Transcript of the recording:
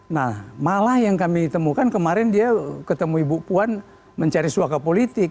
nah malah yang kami temukan kemarin dia ketemu ibu puan mencari suaka politik